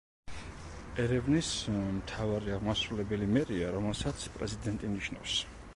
ერევნის მთავარი აღმასრულებელი მერია, რომელსაც პრეზიდენტი ნიშნავს.